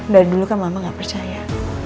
dari dulu kan mama gak percaya